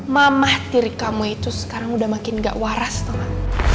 mamah diri kamu itu sekarang udah makin gak waras tau gak